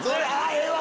ええわ！